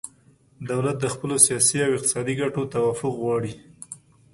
دولت د خپلو سیاسي او اقتصادي ګټو توافق غواړي